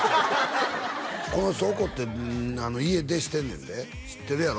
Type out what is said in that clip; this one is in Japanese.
この人怒って家出してんねんで知ってるやろ？